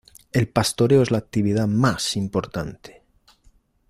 El pastoreo es la actividad más importante.